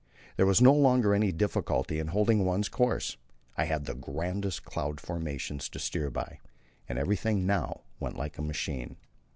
There was no longer any difficulty in holding one's course; I had the grandest cloud formations to steer by, and everything now went like a machine.